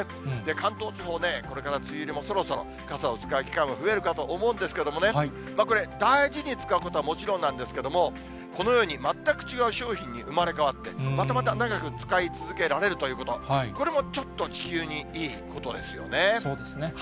関東地方ね、これから梅雨入りもそろそろ、傘を使う機会も増えると思うんですけれどもね、これ、大事に使うということはもちろんなんですけれども、このように全く違う商品に生まれ変わって、また長く使い続けられるということ、これもちょっと地球にいいことですよね。